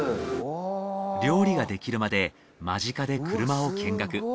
料理ができるまで間近で車を見学。